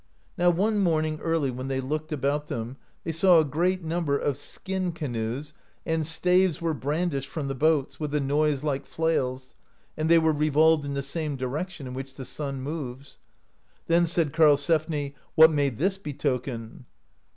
Now one morning early when they looked about them they saw a great number of skin ca noes, and staves (52) were brandished from the boats, with a noise like flails, and they were revolved in the same direction in which the sun moves. Then said Karlsefni: What may this betoken?